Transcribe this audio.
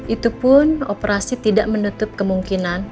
itu pun operasi tidak menutup kemungkinan